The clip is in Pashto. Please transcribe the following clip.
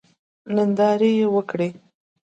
ننداره وکړئ.